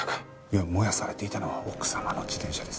いや燃やされていたのは奥様の自転車です。